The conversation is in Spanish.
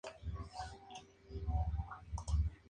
Spinetta aparece serio, con anteojos negros, sobre un fondo negro.